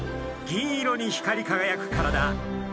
銀色に光りかがやく体。